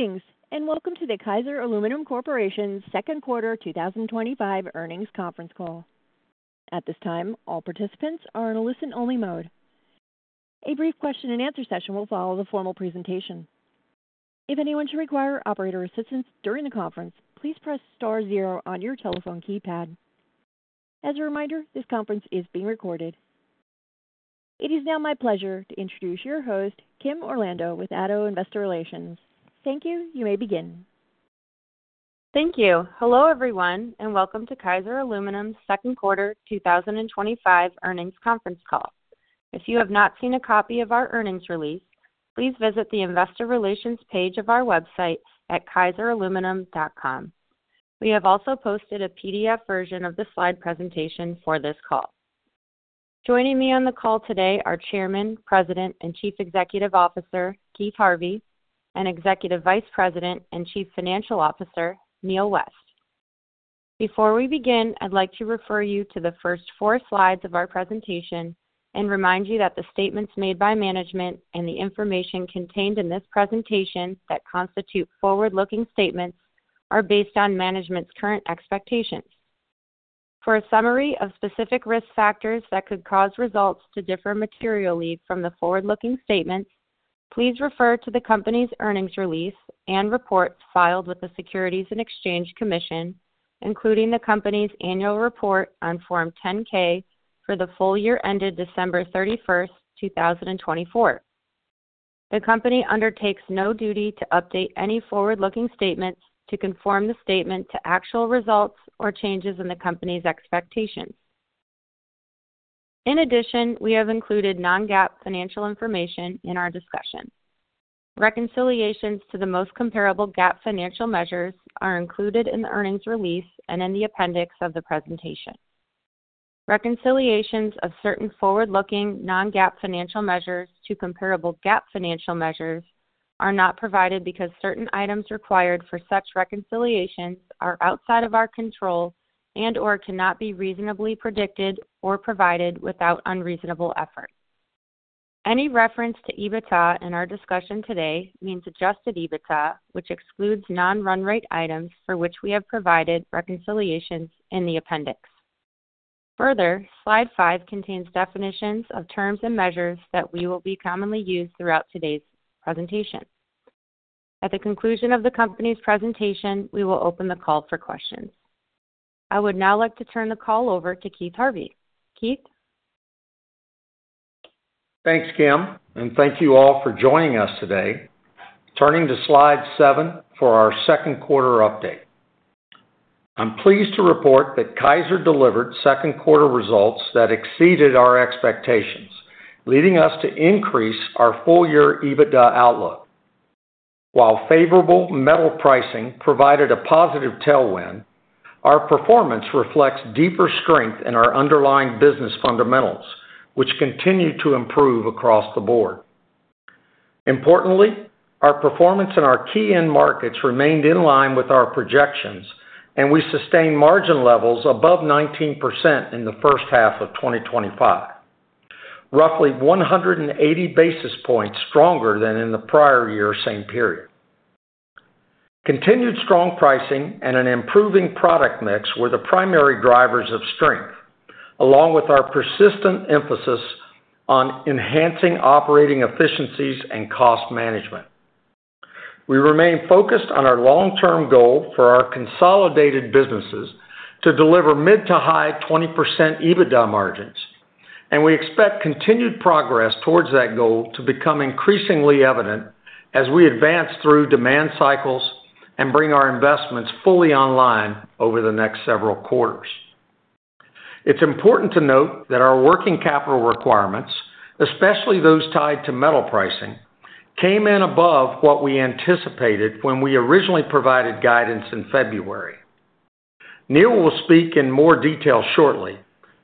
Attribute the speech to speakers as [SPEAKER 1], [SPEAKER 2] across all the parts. [SPEAKER 1] Greetings, and welcome to the Kaiser Aluminum Corporation's second quarter 2025 earnings conference call. At this time, all participants are in a listen-only mode. A brief question and answer session will follow the formal presentation. If anyone should require operator assistance during the conference, please press star zero on your telephone keypad. As a reminder, this conference is being recorded. It is now my pleasure to introduce your host, Kim Orlando, with ADDO Investor Relations. Thank you. You may begin.
[SPEAKER 2] Thank you. Hello everyone, and welcome to Kaiser Aluminum Corporation's second quarter 2025 earnings conference call. If you have not seen a copy of our earnings release, please visit the Investor Relations page of our website at kaiseraluminum.com. We have also posted a PDF version of the slide presentation for this call. Joining me on the call today are Chairman, President, and Chief Executive Officer, Keith Harvey, and Executive Vice President and Chief Financial Officer, Neal West. Before we begin, I'd like to refer you to the first four slides of our presentation and remind you that the statements made by management and the information contained in this presentation that constitute forward-looking statements are based on management's current expectations. For a summary of specific risk factors that could cause results to differ materially from the forward-looking statements, please refer to the company's earnings release and report filed with the Securities and Exchange Commission, including the company's annual report on Form 10-K for the full year ended December 31st, 2024. The company undertakes no duty to update any forward-looking statements to conform the statement to actual results or changes in the company's expectations. In addition, we have included non-GAAP financial information in our discussion. Reconciliations to the most comparable GAAP financial measures are included in the earnings release and in the appendix of the presentation. Reconciliations of certain forward-looking Non-GAAP Financial Measures to comparable GAAP financial measures are not provided because certain items required for such reconciliations are outside of our control and/or cannot be reasonably predicted or provided without unreasonable effort. Any reference to EBITDA in our discussion today means Adjusted EBITDA, which excludes non-run rate items for which we have provided reconciliations in the appendix. Further, slide five contains definitions of terms and measures that we will be commonly using throughout today's presentation. At the conclusion of the company's presentation, we will open the call for questions. I would now like to turn the call over to Keith Harvey. Keith?
[SPEAKER 3] Thanks, Kim, and thank you all for joining us today. Turning to slide seven for our second quarter update. I'm pleased to report that Kaiser delivered second quarter results that exceeded our expectations, leading us to increase our full-year EBITDA outlook. While favorable metal pricing provided a positive tailwind, our performance reflects deeper strength in our underlying business fundamentals, which continue to improve across the board. Importantly, our performance in our key end markets remained in line with our projections, and we sustained margin levels above 19% in the first half of 2025, roughly 180 basis points stronger than in the prior year same period. Continued strong pricing and an improving product mix were the primary drivers of strength, along with our persistent emphasis on enhancing operating efficiencies and cost management. We remain focused on our long-term goal for our consolidated businesses to deliver mid to high 20% EBITDA margins, and we expect continued progress towards that goal to become increasingly evident as we advance through demand cycles and bring our investments fully online over the next several quarters. It's important to note that our working capital requirements, especially those tied to metal pricing, came in above what we anticipated when we originally provided guidance in February. Neal will speak in more detail shortly,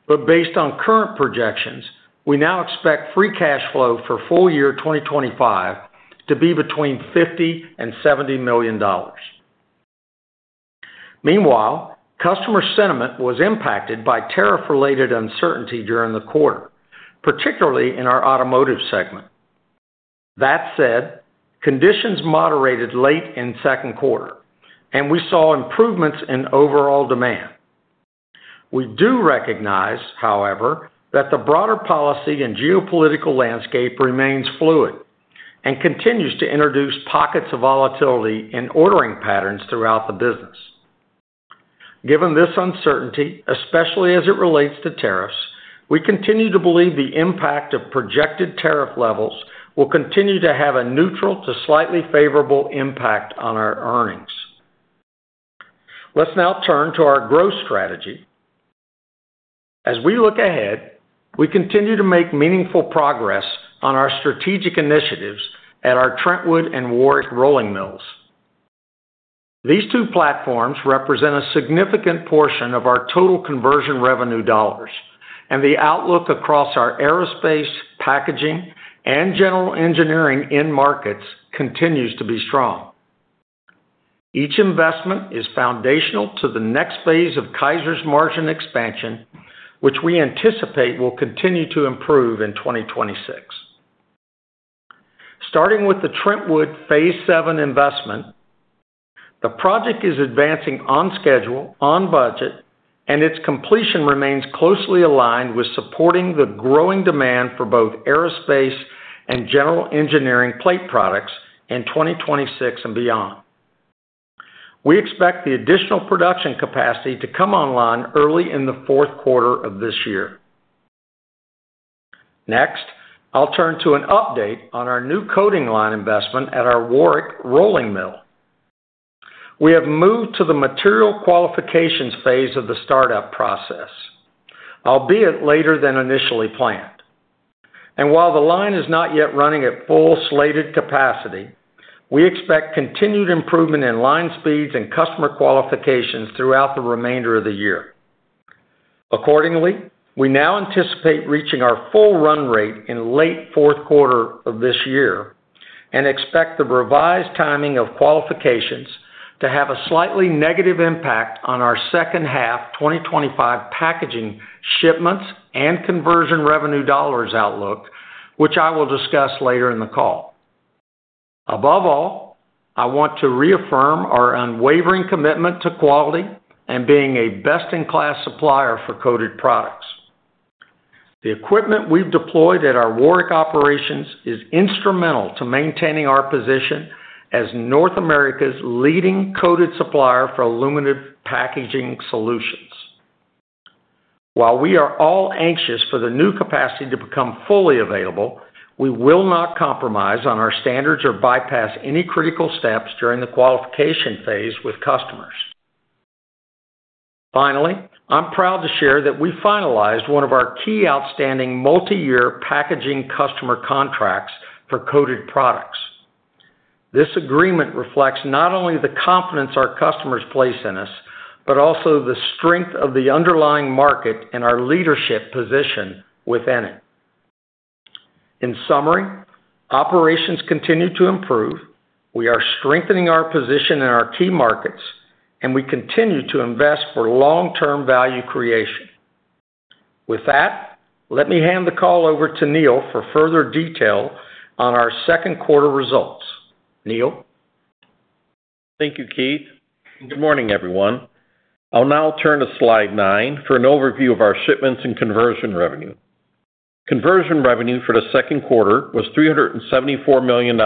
[SPEAKER 3] but based on current projections, we now expect Free Cash Flow for full year 2025 to be between $50 million and $70 million. Meanwhile, customer sentiment was impacted by Tariff-Related Uncertainty during the quarter, particularly in our automotive segment. That said, conditions moderated late in the second quarter, and we saw improvements in overall demand. We do recognize, however, that the broader policy and geopolitical landscape remains fluid and continues to introduce pockets of volatility in ordering patterns throughout the business. Given this uncertainty, especially as it relates to tariffs, we continue to believe the impact of projected tariff levels will continue to have a neutral to slightly favorable impact on our earnings. Let's now turn to our growth strategy. As we look ahead, we continue to make meaningful progress on our strategic initiatives at our Trentwood and Warrick rolling mills. These two platforms represent a significant portion of our total Conversion Revenue dollars, and the outlook across our aerospace, packaging, and General Engineering end markets continues to be strong. Each investment is foundational to the next phase of Kaiser's margin expansion, which we anticipate will continue to improve in 2026. Starting with the Trentwood phase VII Investment, the project is advancing on schedule, on budget, and its completion remains closely aligned with supporting the growing demand for both aerospace and General Engineering plate products in 2026 and beyond. We expect the additional production capacity to come online early in the fourth quarter of this year. Next, I'll turn to an update on our new coating line investment at our Warrick rolling mill. We have moved to the Material Qualifications phase of the startup process, albeit later than initially planned. While the line is not yet running at full slated capacity, we expect continued improvement in line speeds and customer qualifications throughout the remainder of the year. Accordingly, we now anticipate reaching our full run rate in late fourth quarter of this year and expect the revised timing of qualifications to have a slightly negative impact on our second half 2025 packaging shipments and Conversion Revenue dollars outlook, which I will discuss later in the call. Above all, I want to reaffirm our unwavering commitment to quality and being a best-in-class supplier for coated products. The equipment we've deployed at our Warrick operations is instrumental to maintaining our position as North America's leading coated supplier for aluminum packaging solutions. While we are all anxious for the new capacity to become fully available, we will not compromise on our standards or bypass any critical steps during the qualification phase with customers. Finally, I'm proud to share that we finalized one of our key outstanding multi-year packaging customer contracts for coated products. This agreement reflects not only the confidence our customers place in us, but also the strength of the underlying market and our leadership position within it. In summary, operations continue to improve, we are strengthening our position in our key markets, and we continue to invest for long-term value creation. With that, let me hand the call over to Neal for further detail on our second quarter results. Neal.
[SPEAKER 4] Thank you, Keith. Good morning, everyone. I'll now turn to slide nine for an overview of our shipments and Conversion Revenue. Conversion revenue for the second quarter was $374 million,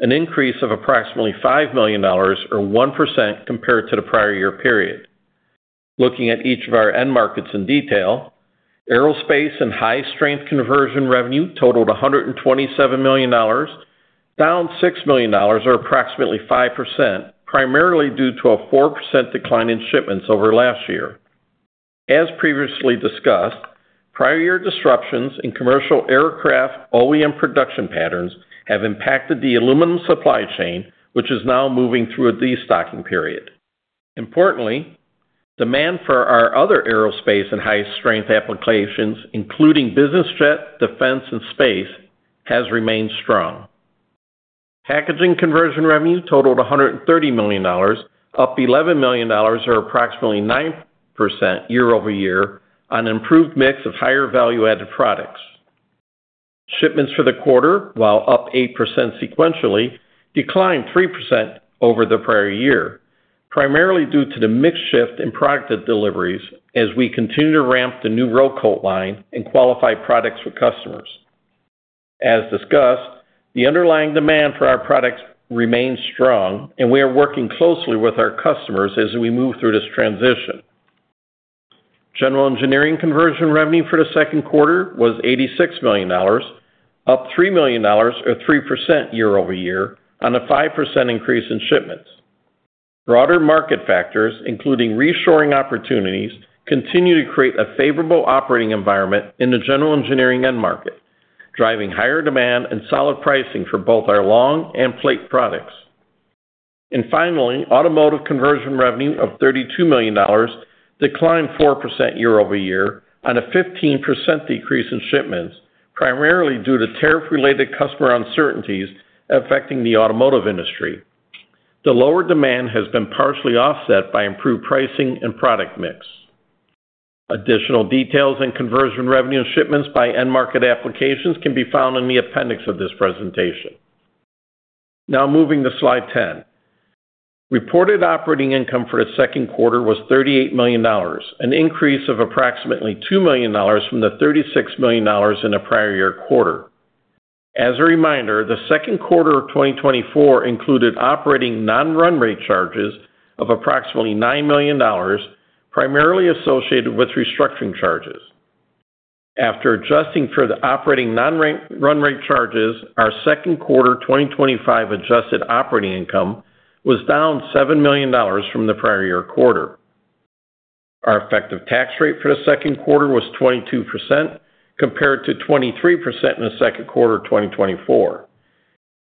[SPEAKER 4] an increase of approximately $5 million or 1% compared to the prior year period. Looking at each of our end markets in detail, Aerospace and High Strength Conversion Revenue totaled $127 million, down $6 million or approximately 5%, primarily due to a 4% decline in shipments over last year. As previously discussed, prior year disruptions in commercial aircraft OEM production patterns have impacted the aluminum supply chain, which is now moving through a Destocking period. Importantly, demand for our other Aerospace and High Strength applications, including business jet, defense, and space, has remained strong. Packaging Conversion Revenue totaled $130 million, up $11 million or approximately 9% year-over-year on an improved mix of higher value-added products. Shipments for the quarter, while up 8% sequentially, declined 3% over the prior year, primarily due to the mix shift in product deliveries as we continue to ramp the new coating line and qualify products for customers. As discussed, the underlying demand for our products remains strong, and we are working closely with our customers as we move through this transition. General engineering Conversion Revenue for the second quarter was $86 million, up $3 million or 3% year-over-year on a 5% increase in shipments. Broader market factors, including Reshoring Opportunities, continue to create a favorable operating environment in the General Engineering end market, driving higher demand and solid pricing for both our long and plate products. Finally, automotive Conversion Revenue of $32 million declined 4% year-over-year on a 15% decrease in shipments, primarily due to tariff-related customer uncertainties affecting the automotive industry. The lower demand has been partially offset by improved pricing and product mix. Additional details and Conversion Revenue shipments by end market applications can be found in the appendix of this presentation. Now moving to slide ten. Reported operating income for the second quarter was $38 million, an increase of approximately $2 million from the $36 million in the prior year quarter. As a reminder, the second quarter of 2024 included operating non-run rate charges of approximately $9 million, primarily associated with restructuring charges. After adjusting for the operating non-run rate charges, our second quarter 2025 adjusted operating income was down $7 million from the prior year quarter. Our Effective Tax Rate for the second quarter was 22% compared to 23% in the second quarter of 2024.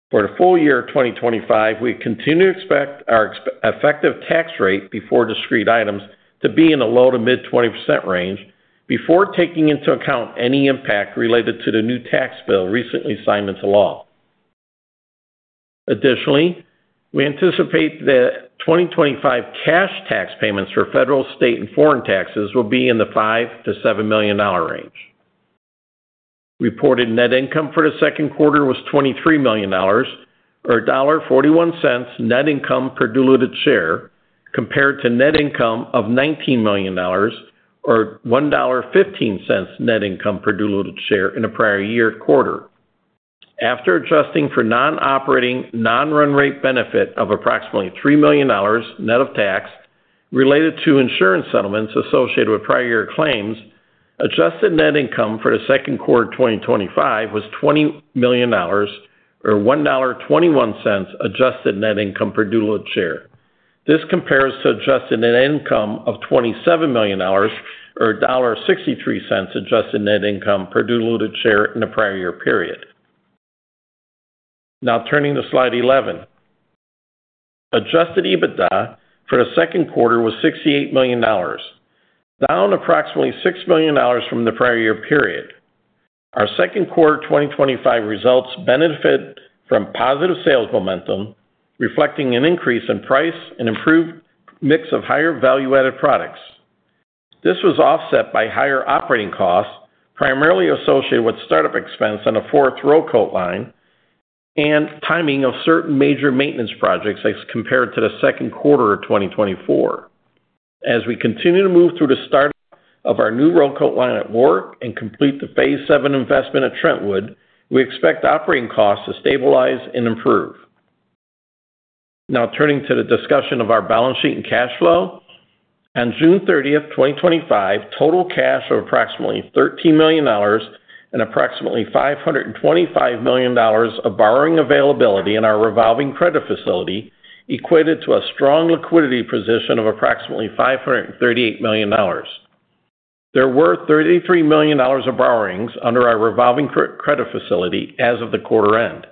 [SPEAKER 4] For the full year 2025, we continue to expect our Effective Tax Rate before discrete items to be in the low to mid-20% range before taking into account any impact related to the new tax bill recently signed into law. Additionally, we anticipate that 2025 cash tax payments for federal, state, and foreign taxes will be in the $5 to $7 million range. Reported net income for the second quarter was $23 million, or $1.41 net income per diluted share, compared to net income of $19 million, or $1.15 net income per diluted share in a prior year quarter. After adjusting for non-operating non-run rate benefit of approximately $3 million net of tax related to insurance settlements associated with prior year claims, adjusted net income for the second quarter of 2025 was $20 million, or $1.21 adjusted net income per diluted share. This compares to adjusted net income of $27 million, or $1.63 adjusted net income per diluted share in the prior year period. Now turning to slide 11. Adjusted EBITDA for the second quarter was $68 million, down approximately $6 million from the prior year period. Our second quarter 2025 results benefit from positive sales momentum, reflecting an increase in price and improved mix of higher value-added products. This was offset by higher operating costs, primarily associated with startup expense on a fourth Row Coat Line and timing of certain major maintenance projects as compared to the second quarter of 2024. As we continue to move through the start of our new Row Coat Line at Warrick and complete the phase VIII investment at Trentwood, we expect operating costs to stabilize and improve. Now turning to the discussion of our balance sheet and cash flow. On June 30th, 2025, total cash of approximately $13 million and approximately $525 million of borrowing availability in our revolving credit facility equated to a strong liquidity position of approximately $538 million. There were $33 million of borrowings under our revolving credit facility as of the quarter end.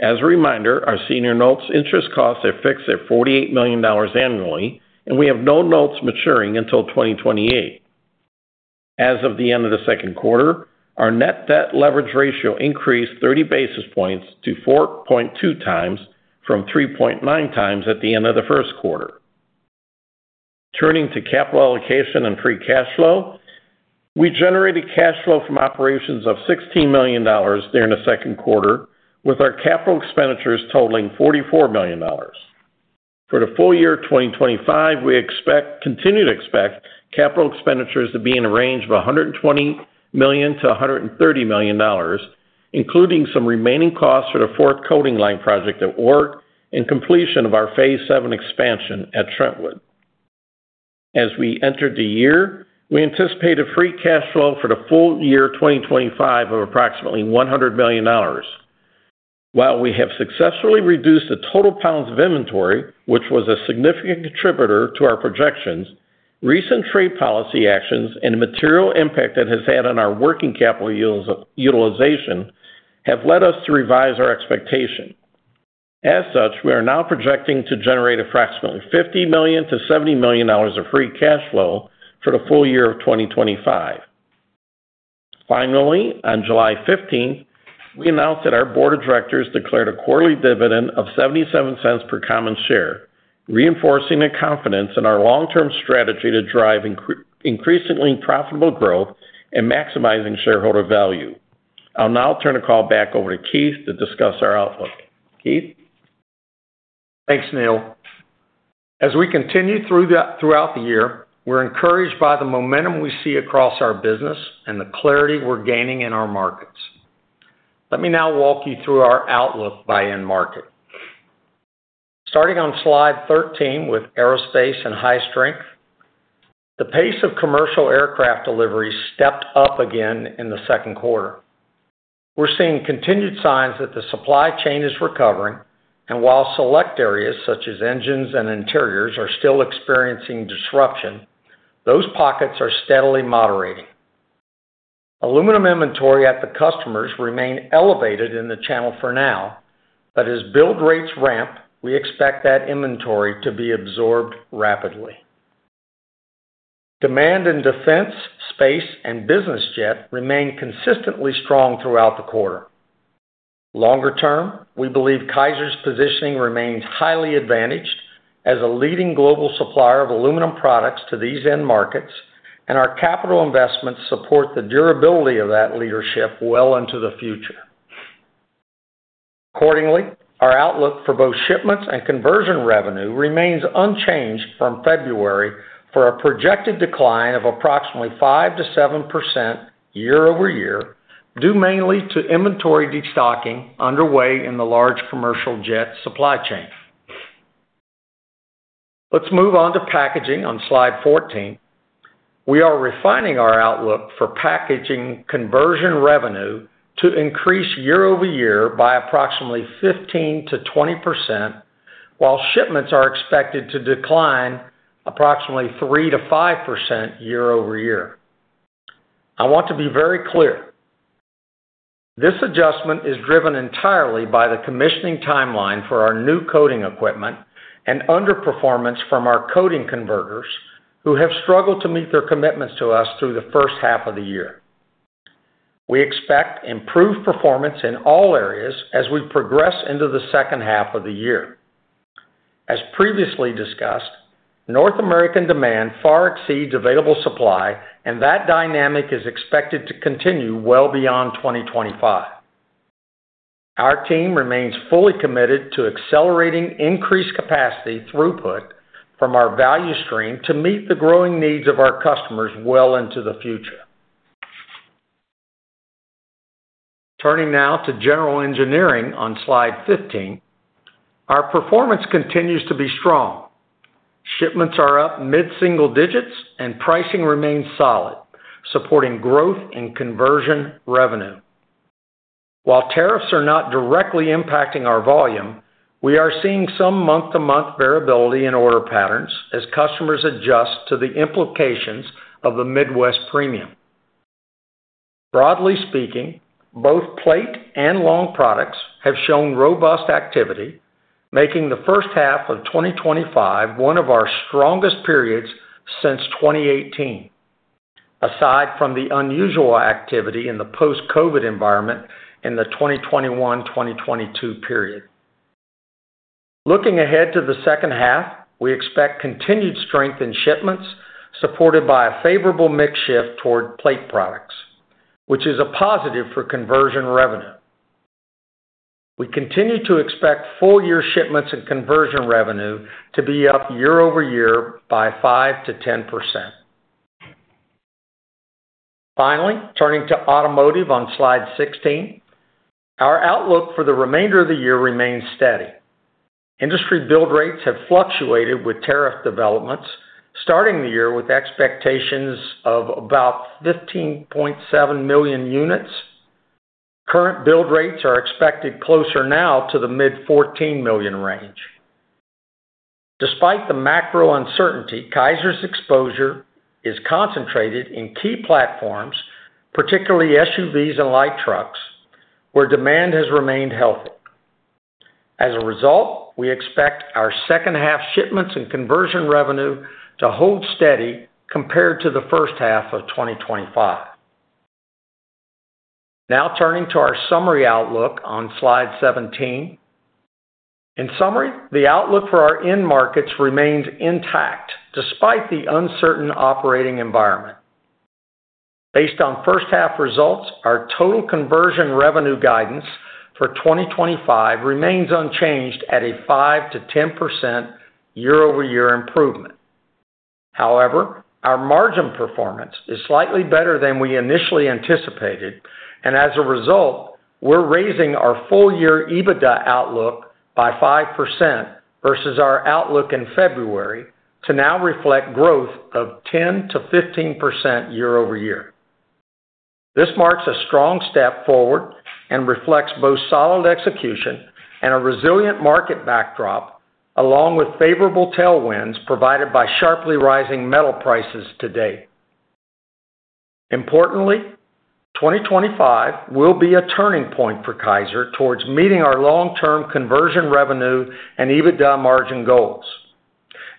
[SPEAKER 4] As a reminder, our senior notes interest costs are fixed at $48 million annually, and we have no notes maturing until 2028. As of the end of the second quarter, our Net Debt Leverage Ratio increased 30 basis points to 4.2 times from 3.9 times at the end of the first quarter. Turning to capital allocation and Free Cash Flow, we generated cash flow from operations of $16 million during the second quarter, with our capital expenditures totaling $44 million. For the full year 2025, we continue to expect capital expenditures to be in a range of $120 million to $130 million, including some remaining costs for the fourth coating line project at Warrick and completion of our phase VII expansion at Trentwood. As we enter the year, we anticipate Free Cash Flow for the full year 2025 of approximately $100 million. While we have successfully reduced the total lbs of inventory, which was a significant contributor to our projections, recent trade policy actions and the material impact that has had on our working capital utilization have led us to revise our expectation. As such, we are now projecting to generate approximately $50 million to $70 million of Free Cash Flow for the full year of 2025. Finally, on July 15, we announced that our board of directors declared a quarterly dividend of $0.77 per common share, reinforcing the confidence in our long-term strategy to drive increasingly profitable growth and maximizing shareholder value. I'll now turn the call back over to Keith to discuss our outlook. Keith?
[SPEAKER 3] Thanks, Neal. As we continue throughout the year, we're encouraged by the momentum we see across our business and the clarity we're gaining in our markets. Let me now walk you through our outlook by end market. Starting on slide 13 with Aerospace and High Strength, the pace of commercial aircraft deliveries stepped up again in the second quarter. We're seeing continued signs that the supply chain is recovering, and while select areas such as engines and interiors are still experiencing disruption, those pockets are steadily moderating. Aluminum inventory at the customers remains elevated in the channel for now, but as Build Rates ramp, we expect that inventory to be absorbed rapidly. Demand in defense, space, and business jet remains consistently strong throughout the quarter. Longer term, we believe Kaiser's positioning remains highly advantaged as a leading global supplier of aluminum products to these end markets, and our capital investments support the durability of that leadership well into the future. Accordingly, our outlook for both shipments and Conversion Revenue remains unchanged from February for a projected decline of approximately 5 to 7% year-over-year, due mainly to inventory Destocking underway in the large commercial jet supply chain. Let's move on to packaging on slide 14. We are refining our outlook for packaging Conversion Revenue to increase year-over-year by approximately 15 to 20%, while shipments are expected to decline approximately 3 to 5% year-over-year. I want to be very clear. This adjustment is driven entirely by the commissioning timeline for our new coating equipment and underperformance from our coating converters, who have struggled to meet their commitments to us through the first half of the year. We expect improved performance in all areas as we progress into the second half of the year. As previously discussed, North American demand far exceeds available supply, and that dynamic is expected to continue well beyond 2025. Our team remains fully committed to accelerating increased capacity throughput from our value stream to meet the growing needs of our customers well into the future. Turning now to General Engineering on slide 15, our performance continues to be strong. Shipments are up mid-single digits, and pricing remains solid, supporting growth in Conversion Revenue. While tariffs are not directly impacting our volume, we are seeing some month-to-month variability in order patterns as customers adjust to the implications of the Midwest Premium. Broadly speaking, both plate and long products have shown robust activity, making the first half of 2025 one of our strongest periods since 2018, aside from the unusual activity in the post-COVID environment in the 2021-2022 period. Looking ahead to the second half, we expect continued strength in shipments, supported by a favorable mix shift toward plate products, which is a positive for Conversion Revenue. We continue to expect full-year shipments and Conversion Revenue to be up year-over-year by 5 to 10%. Finally, turning to automotive on slide 16, our outlook for the remainder of the year remains steady. Industry Build Rates have fluctuated with tariff developments, starting the year with expectations of about 15.7 million units. Current Build Rates are expected closer now to the mid-14 million range. Despite the macro uncertainty, Kaiser’s exposure is concentrated in key platforms, particularly SUVs and light trucks, where demand has remained healthy. As a result, we expect our second half shipments and Conversion Revenue to hold steady compared to the first half of 2025. Now turning to our summary outlook on slide 17. In summary, the outlook for our end markets remains intact despite the uncertain operating environment. Based on first half results, our total Conversion Revenue guidance for 2025 remains unchanged at a 5% to 10% year-over-year improvement. However, our margin performance is slightly better than we initially anticipated, and as a result, we're raising our full-year EBITDA outlook by 5% versus our outlook in February to now reflect growth of 10% to 15% year-over-year. This marks a strong step forward and reflects both solid execution and a resilient market backdrop, along with favorable tailwinds provided by sharply rising metal prices today. Importantly, 2025 will be a turning point for Kaiser towards meeting our long-term Conversion Revenue and EBITDA margin goals.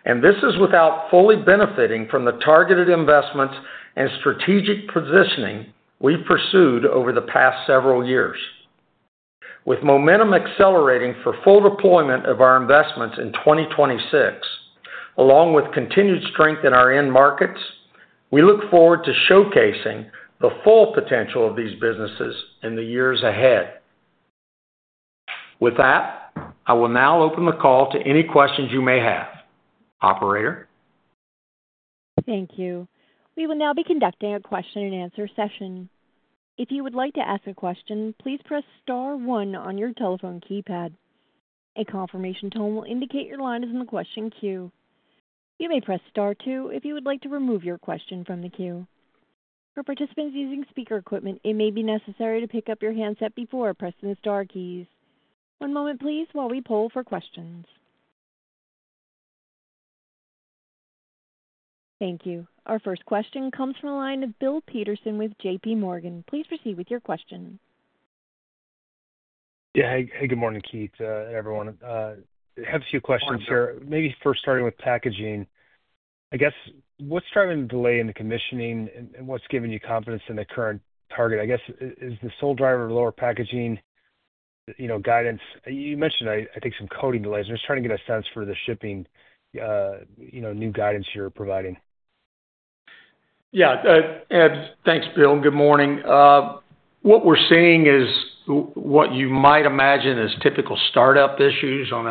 [SPEAKER 3] This is without fully benefiting from the targeted investments and strategic positioning we've pursued over the past several years. With momentum accelerating for full deployment of our investments in 2026, along with continued strength in our end markets, we look forward to showcasing the full potential of these businesses in the years ahead. With that, I will now open the call to any questions you may have. Operator.
[SPEAKER 1] Thank you. We will now be conducting a question and answer session. If you would like to ask a question, please press star one on your telephone keypad. A confirmation tone will indicate your line is in the question queue. You may press star two if you would like to remove your question from the queue. For participants using speaker equipment, it may be necessary to pick up your handset before pressing the star keys. One moment, please, while we poll for questions. Thank you. Our first question comes from a line of Bill Peterson with JPMorgan. Please proceed with your question.
[SPEAKER 5] Yeah, hey, good morning, Keith, everyone. I have a few questions here. Maybe first starting with packaging. I guess, what's driving the delay in the commissioning and what's given you confidence in the current target? I guess, is the sole driver of lower packaging, you know, guidance? You mentioned, I think, some coating delays. I'm just trying to get a sense for the shipping, you know, new guidance you're providing.
[SPEAKER 3] Yeah, thanks, Bill. Good morning. What we're seeing is what you might imagine as typical startup issues on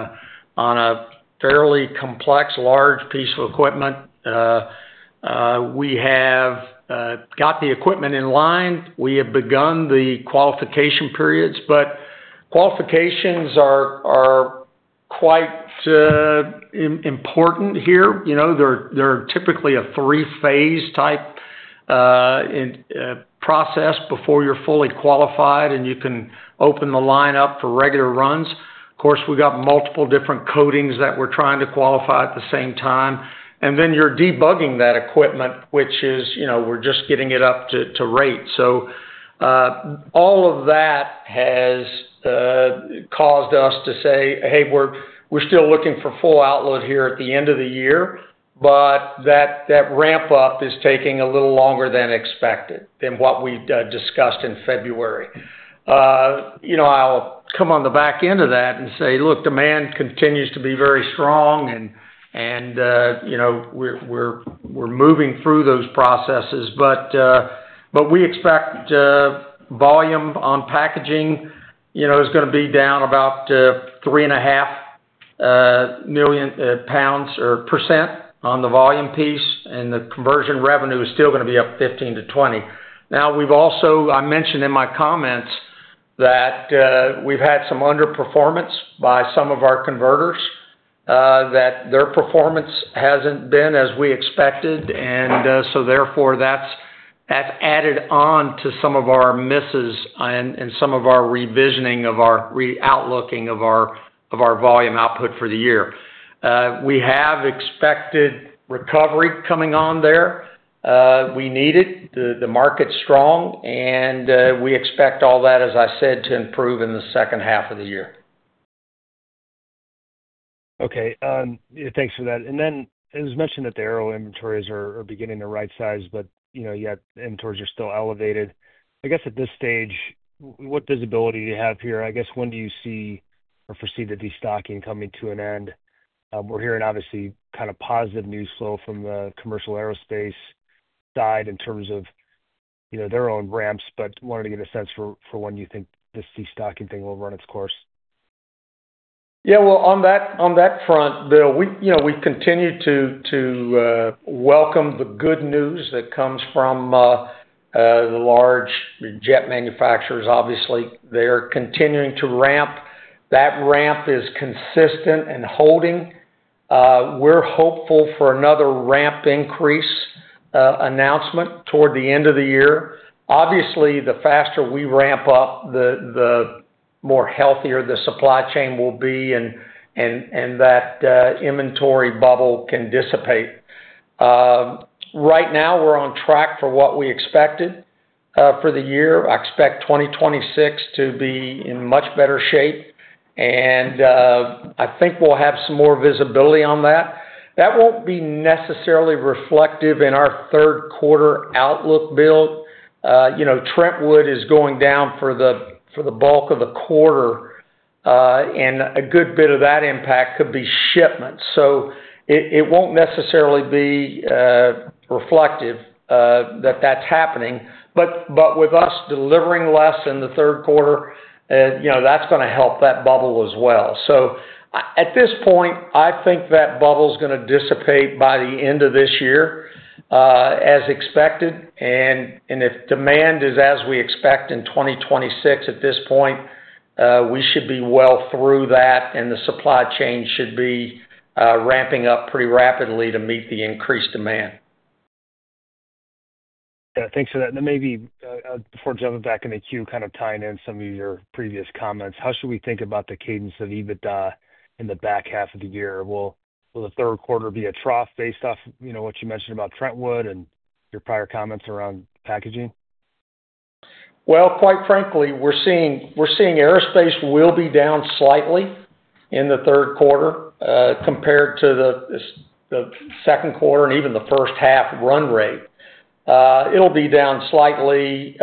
[SPEAKER 3] a fairly complex, large piece of equipment. We have got the equipment in line. We have begun the qualification periods, but qualifications are quite important here. They're typically a three-phase type process before you're fully qualified, and you can open the line up for regular runs. Of course, we've got multiple different coatings that we're trying to qualify at the same time. You're debugging that equipment, which is, you know, we're just getting it up to rate. All of that has caused us to say, hey, we're still looking for full outload here at the end of the year, but that ramp-up is taking a little longer than expected than what we discussed in February. I'll come on the back end of that and say, look, demand continues to be very strong, and we're moving through those processes. We expect volume on packaging is going to be down about 3.5 million lbs or percent on the volume piece, and the Conversion Revenue is still going to be up 15% to 20%. I mentioned in my comments that we've had some underperformance by some of our converters, that their performance hasn't been as we expected. Therefore, that's added on to some of our misses and some of our revisioning of our outlooking of our volume output for the year. We have expected recovery coming on there. We need it. The market's strong, and we expect all that, as I said, to improve in the second half of the year.
[SPEAKER 5] Okay. Thanks for that. It was mentioned that the aerial inventories are beginning to right-size, but inventories are still elevated. At this stage, what visibility do you have here? When do you see or foresee the Destocking coming to an end? We're hearing obviously kind of positive news flow from the commercial aerospace side in terms of their own ramps, but wanted to get a sense for when you think this Destocking thing will run its course.
[SPEAKER 3] Yeah, on that front, Bill, we continue to welcome the good news that comes from the large jet manufacturers. Obviously, they're continuing to ramp. That ramp is consistent and holding. We're hopeful for another ramp increase announcement toward the end of the year. Obviously, the faster we ramp up, the healthier the supply chain will be, and that inventory bubble can dissipate. Right now, we're on track for what we expected for the year. I expect 2026 to be in much better shape, and I think we'll have some more visibility on that. That won't be necessarily reflective in our third quarter outlook, Bill. Trentwood is going down for the bulk of the quarter, and a good bit of that impact could be shipments. It won't necessarily be reflective that that's happening. With us delivering less in the third quarter, that's going to help that bubble as well. At this point, I think that bubble is going to dissipate by the end of this year, as expected. If demand is as we expect in 2026 at this point, we should be well through that, and the supply chain should be ramping up pretty rapidly to meet the increased demand.
[SPEAKER 5] Yeah, thanks for that. Maybe before jumping back in the queue, kind of tying in some of your previous comments, how should we think about the cadence of EBITDA in the back half of the year? Will the third quarter be a trough based off, you know, what you mentioned about Trentwood and your prior comments around packaging?
[SPEAKER 3] Quite frankly, we're seeing aerospace will be down slightly in the third quarter compared to the second quarter and even the first half run rate. It'll be down slightly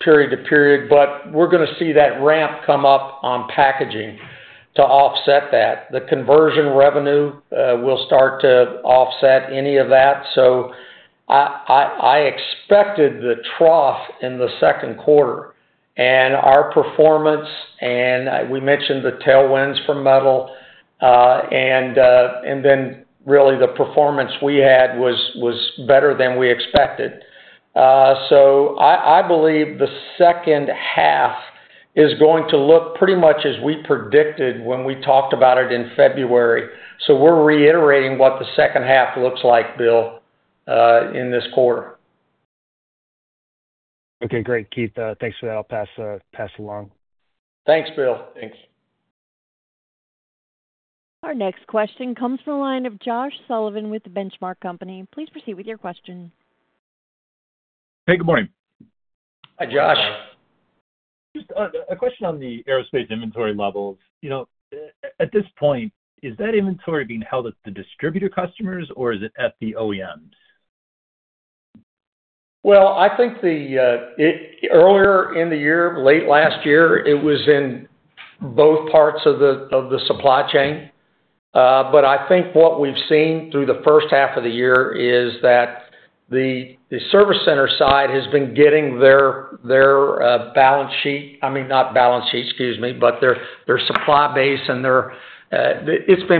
[SPEAKER 3] period to period, but we're going to see that ramp come up on packaging to offset that. The Conversion Revenue will start to offset any of that. I expected the trough in the second quarter, and our performance, and we mentioned the tailwinds from metal, and then really the performance we had was better than we expected. I believe the second half is going to look pretty much as we predicted when we talked about it in February. We're reiterating what the second half looks like, Bill, in this quarter.
[SPEAKER 5] Okay, great, Keith. Thanks for that. I'll pass along.
[SPEAKER 3] Thanks, Bill.
[SPEAKER 4] Thanks.
[SPEAKER 1] Our next question comes from a line of Josh Sullivan with The Benchmark Company. Please proceed with your question.
[SPEAKER 6] Hey, good morning.
[SPEAKER 3] Hi, Josh.
[SPEAKER 6] Just a question on the aerospace inventory levels. At this point, is that inventory being held at the distributor customers, or is it at the OEMs?
[SPEAKER 3] Earlier in the year, late last year, it was in both parts of the supply chain. What we've seen through the first half of the year is that the service center side has been getting their supply base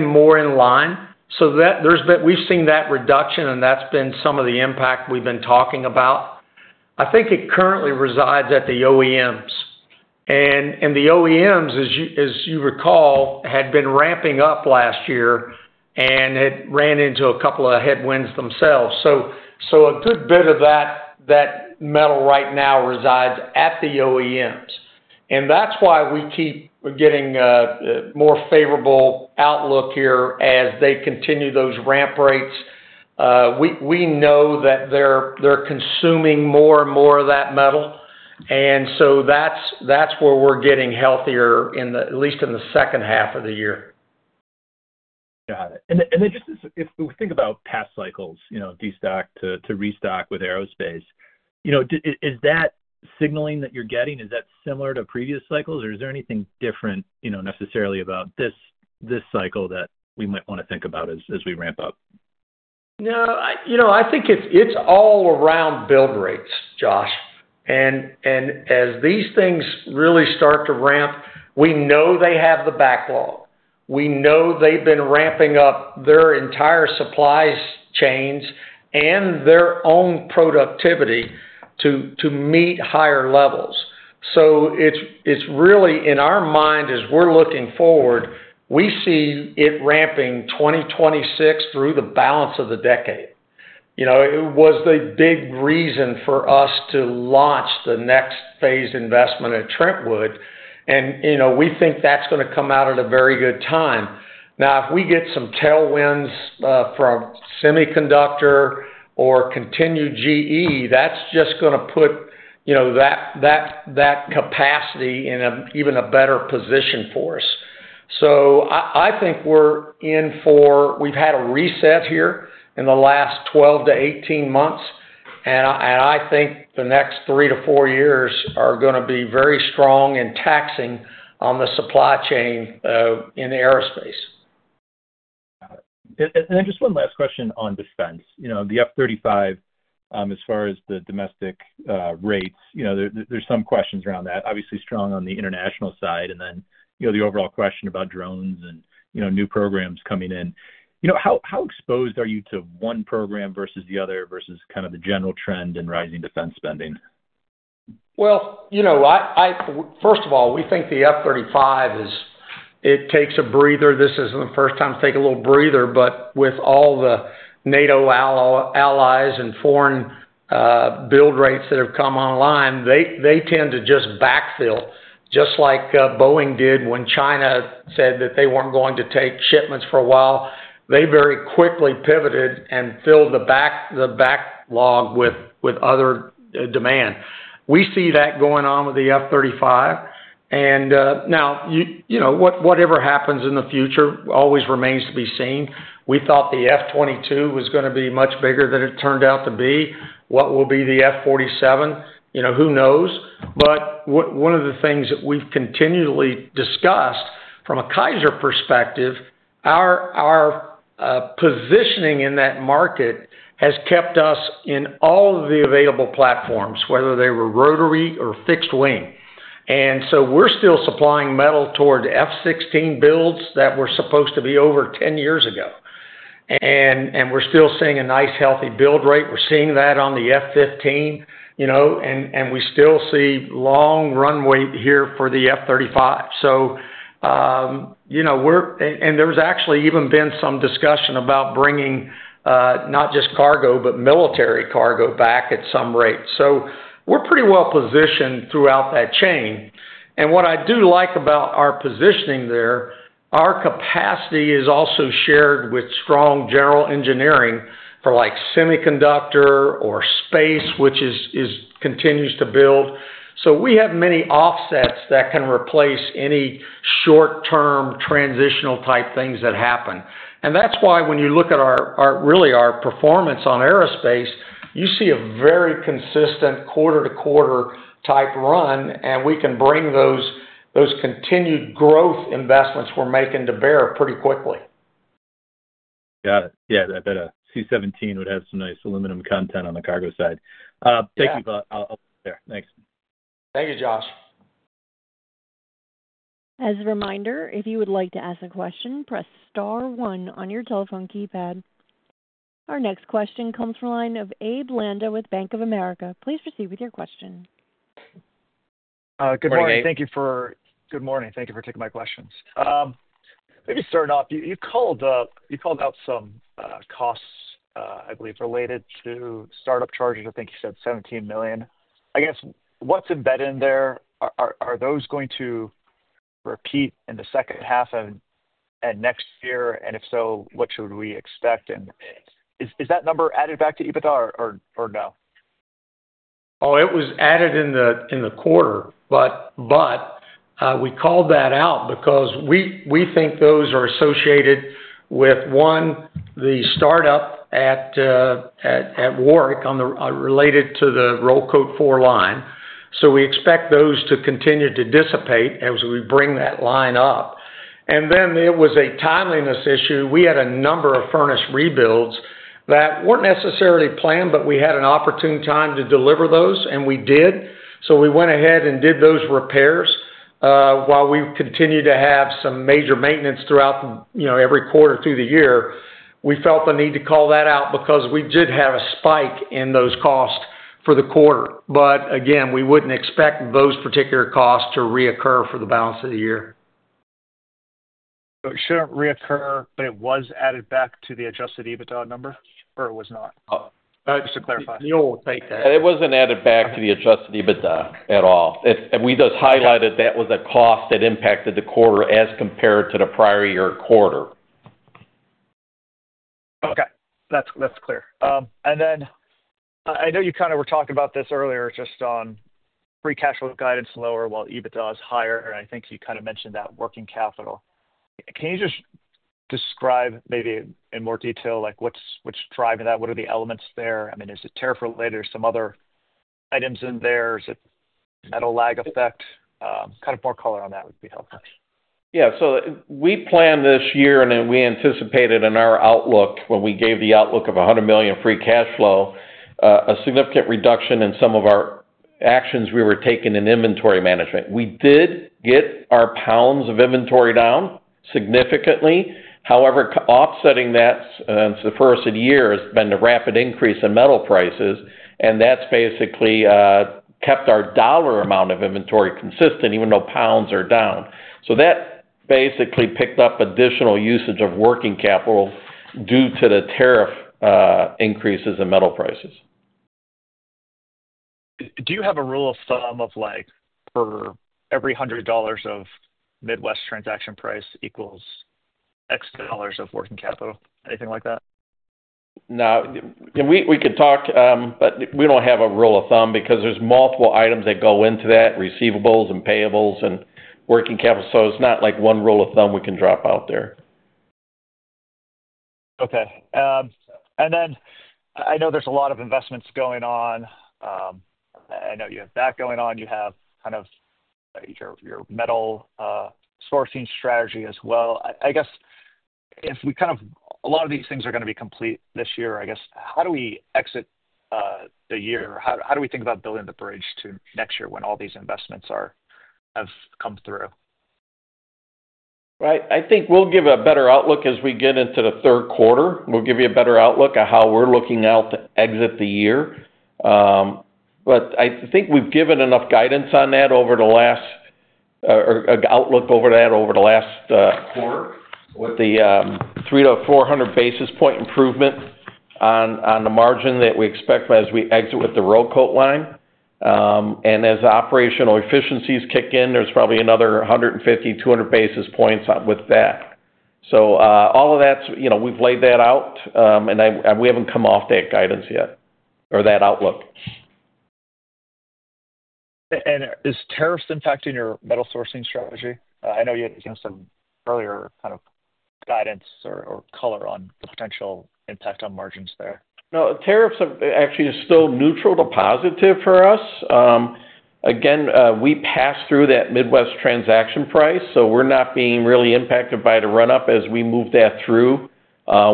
[SPEAKER 3] more in line. There's been that reduction, and that's been some of the impact we've been talking about. I think it currently resides at the OEMs. The OEMs, as you recall, had been ramping up last year and had run into a couple of headwinds themselves. A good bit of that metal right now resides at the OEMs. That's why we keep getting a more favorable outlook here as they continue those ramp rates. We know that they're consuming more and more of that metal, and that's where we're getting healthier, at least in the second half of the year.
[SPEAKER 6] Got it. If we think about past cycles, you know, destock to restock with aerospace, you know, is that signaling that you're getting? Is that similar to previous cycles, or is there anything different, you know, necessarily about this cycle that we might want to think about as we ramp up?
[SPEAKER 3] No, I think it's all around Build Rates, Josh. As these things really start to ramp, we know they have the backlog. We know they've been ramping up their entire supply chains and their own productivity to meet higher levels. It's really, in our mind, as we're looking forward, we see it ramping 2026 through the balance of the decade. It was the big reason for us to launch the next phase investment at Trentwood, and we think that's going to come out at a very good time. If we get some tailwinds from semiconductor or continue GE, that's just going to put that capacity in even a better position for us. I think we're in for, we've had a reset here in the last 12 to 18 months. I think the next three to four years are going to be very strong and taxing on the supply chain in aerospace.
[SPEAKER 6] Just one last question on defense. The F-35, as far as the domestic rates, there are some questions around that. Obviously, strong on the international side. The overall question about drones and new programs coming in, how exposed are you to one program versus the other versus the general trend in rising defense spending?
[SPEAKER 3] First of all, we think the F-35 takes a breather. This isn't the first time it's taken a little breather, but with all the NATO allies and foreign Build Rates that have come online, they tend to just backfill. Just like Boeing did when China said that they weren't going to take shipments for a while, they very quickly pivoted and filled the backlog with other demand. We see that going on with the F-35. Whatever happens in the future always remains to be seen. We thought the F-22 was going to be much bigger than it turned out to be. What will be the F-47? Who knows? One of the things that we've continually discussed from a Kaiser perspective, our positioning in that market has kept us in all of the available platforms, whether they were rotary or fixed wing. We're still supplying metal toward F-16 builds that were supposed to be over 10 years ago, and we're still seeing a nice, healthy build rate. We're seeing that on the F-15, and we still see long runway here for the F-35. There's actually even been some discussion about bringing not just cargo, but military cargo back at some rate. We're pretty well positioned throughout that chain. What I do like about our positioning there, our capacity is also shared with strong General Engineering for like semiconductor or space, which continues to build. We have many offsets that can replace any short-term transitional type things that happen. That's why when you look at our performance on aerospace, you see a very consistent quarter-to-quarter type run, and we can bring those continued growth investments we're making to bear pretty quickly.
[SPEAKER 6] Got it. Yeah, I bet a C-17 would have some nice aluminum content on the cargo side. Thank you. I'll put it there. Thanks.
[SPEAKER 3] Thank you, Josh.
[SPEAKER 1] As a reminder, if you would like to ask a question, press star one on your telephone keypad. Our next question comes from a line of Abe Landa with Bank of America. Please proceed with your question.
[SPEAKER 7] Good morning. Thank you for taking my questions. Maybe starting off, you called out some costs, I believe, related to startup charges. I think you said $17 million. I guess, what's embedded in there? Are those going to repeat in the second half of next year? If so, what should we expect? Is that number added back to EBITDA or no?
[SPEAKER 3] Oh, it was added in the quarter, but we called that out because we think those are associated with, one, the startup at Warrick related to the roll coat four line. We expect those to continue to dissipate as we bring that line up. It was a timeliness issue. We had a number of furnace rebuilds that weren't necessarily planned, but we had an opportune time to deliver those, and we did. We went ahead and did those repairs. While we continue to have some major maintenance throughout every quarter through the year, we felt the need to call that out because we did have a spike in those costs for the quarter. We wouldn't expect those particular costs to reoccur for the balance of the year.
[SPEAKER 7] It shouldn't reoccur, but it was added back to the Adjusted EBITDA number or it was not? Just to clarify.
[SPEAKER 3] Neal will take that.
[SPEAKER 4] It wasn't added back to the Adjusted EBITDA at all. We just highlighted that was a cost that impacted the quarter as compared to the prior year quarter.
[SPEAKER 7] Okay. That's clear. I know you kind of were talking about this earlier, just on Free Cash Flow guidance lower while EBITDA is higher. I think you kind of mentioned that working capital. Can you just describe maybe in more detail like what's driving that? What are the elements there? Is it tariff-related? Are there some other items in there? Is it a metal lag effect? More color on that would be helpful.
[SPEAKER 4] Yeah. We planned this year, and then we anticipated in our outlook, when we gave the outlook of $100 million Free Cash Flow, a significant reduction in some of our actions we were taking in inventory management. We did get our pounds of inventory down significantly. However, offsetting that since the first of the year has been a rapid increase in metal prices. That basically kept our dollar amount of inventory consistent, even though pounds are down. That basically picked up additional usage of working capital due to the tariff increases in metal prices.
[SPEAKER 7] Do you have a rule of thumb of like for every $100 of Midwest transaction price equals X dollars of working capital? Anything like that?
[SPEAKER 4] No, we could talk, but we don't have a rule of thumb because there's multiple items that go into that, receivables and payables and working capital. It's not like one rule of thumb we can drop out there.
[SPEAKER 7] Okay. I know there's a lot of investments going on. You have that going on, you have kind of your metal sourcing strategy as well. If we kind of, a lot of these things are going to be complete this year, how do we exit the year? How do we think about building the bridge to next year when all these investments have come through?
[SPEAKER 4] Right. I think we'll give a better outlook as we get into the third quarter. We'll give you a better outlook of how we're looking out to exit the year. I think we've given enough guidance on that over the last, or an outlook over that over the last quarter with the 300 to 400 basis point improvement on the margin that we expect as we exit with the Row Coat Line. As operational efficiencies kick in, there's probably another 150 to 200 basis points with that. All of that's, you know, we've laid that out, and we haven't come off that guidance yet or that outlook.
[SPEAKER 7] Are tariffs impacting your metal sourcing strategy? I know you had some earlier guidance or color on the potential impact on margins there.
[SPEAKER 4] No, tariffs are actually still neutral to positive for us. Again, we pass through that Midwest transaction price, so we're not being really impacted by the run-up as we move that through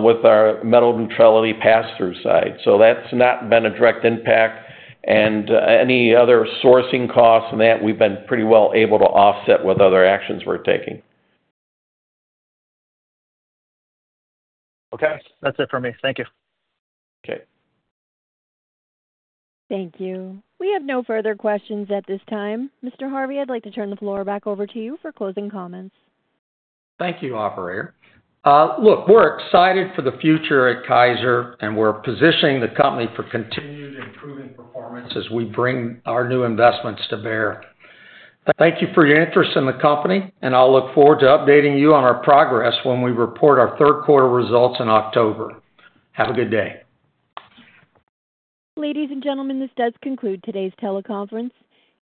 [SPEAKER 4] with our metal neutrality pass-through side. That's not been a direct impact. Any other sourcing costs and that, we've been pretty well able to offset with other actions we're taking.
[SPEAKER 7] Okay, that's it for me. Thank you.
[SPEAKER 4] Okay.
[SPEAKER 1] Thank you. We have no further questions at this time. Mr. Harvey, I'd like to turn the floor back over to you for closing comments.
[SPEAKER 3] Thank you, Operator. We're excited for the future at Kaiser, and we're positioning the company for continued improvements as we bring our new investments to bear. Thank you for your interest in the company, and I'll look forward to updating you on our progress when we report our third quarter results in October. Have a good day.
[SPEAKER 1] Ladies and gentlemen, this does conclude today's teleconference.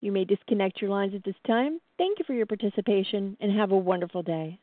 [SPEAKER 1] You may disconnect your lines at this time. Thank you for your participation and have a wonderful day.